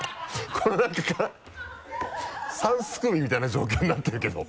この中から 三すくみみたいな状況になってるけど。